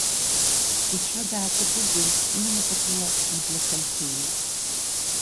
Ицәа дааҭаӡыӡан, иҩнапык рыла иблақәа нхиҩеит.